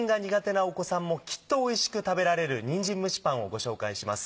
なお子さんもきっとおいしく食べられる「にんじん蒸しパン」をご紹介します。